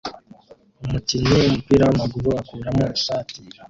Umukinnyi wumupira wamaguru akuramo ishati